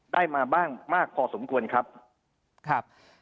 ได้มาบ้างมากพอสมควรครับครับ